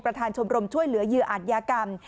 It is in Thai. ประธานชมรมช่วยเหลือยืออันยากรรม